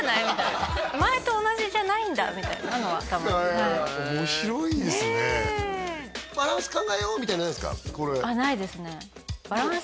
みたいな「前と同じじゃないんだ」みたいなのは多分面白いですねねえ